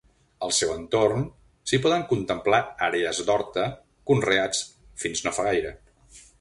Al seu entorn s'hi poden contemplar àrees d'horta, conreats fins no fa gaire.